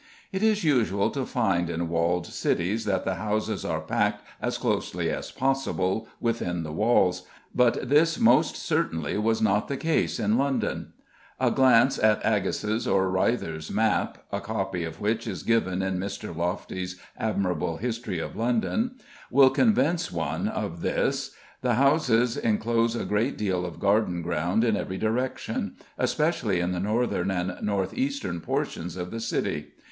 It is usual to find in walled cities that the houses are packed as closely as possible within the walls; but this most certainly was not the case in London. A glance at Aggas's or Ryther's map (a copy of which is given in Mr. Loftie's admirable "History of London") will convince one of this. The houses enclose a great deal of garden ground in every direction, especially in the northern and north eastern portions of the city.